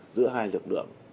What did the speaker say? giữa hai lực lượng